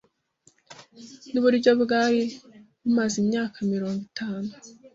nuburyo bwari bumaze imyaka mirongo itanu .